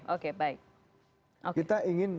oke baik kita ingin